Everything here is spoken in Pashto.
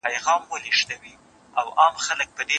چي ښخ کړی یې پلټن وو د یارانو